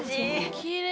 きれい。